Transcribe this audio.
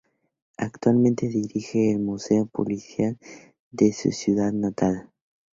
Actualmente dirige el Museo Policial de su ciudad natal.